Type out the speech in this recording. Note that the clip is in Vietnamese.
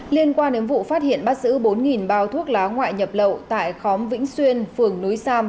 liên quan đến vụ phát hiện bắt giữ bốn bao thuốc lá ngoại nhập lậu tại khóm vĩnh xuyên phường núi sam